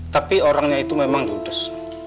tapi orangnya itu memang ludes